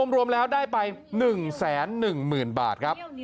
รวมแล้วได้ไป๑๑๐๐๐บาทครับ